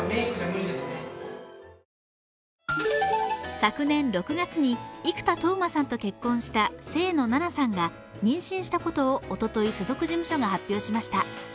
昨年６月に生田斗真さんと結婚した清野菜名さんが妊娠したことをおととい所属事務所が発表しました。